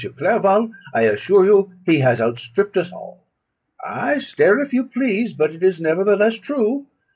Clerval, I assure you he has outstript us all. Ay, stare if you please; but it is nevertheless true.